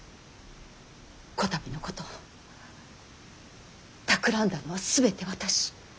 こたびのことたくらんだのは全て私。